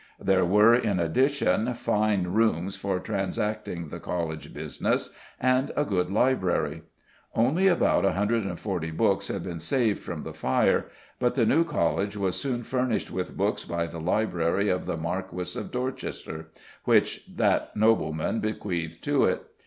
There were, in addition, fine rooms for transacting the College business, and a good library. Only about 140 books had been saved from the fire, but the new College was soon furnished with books by the library of the Marquis of Dorchester, which that nobleman bequeathed to it.